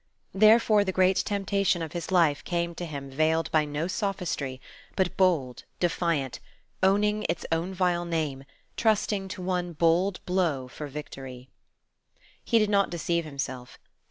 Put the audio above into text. Therefore the great temptation of his life came to him veiled by no sophistry, but bold, defiant, owning its own vile name, trusting to one bold blow for victory. He did not deceive himself.